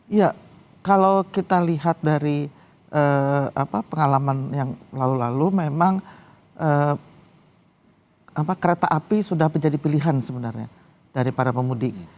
iya kalau kita lihat dari pengalaman yang lalu lalu memang kereta api sudah menjadi pilihan sebenarnya dari para pemudik